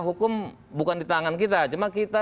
hukum bukan di tangan kita cuma kita